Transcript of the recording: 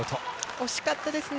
惜しかったですね。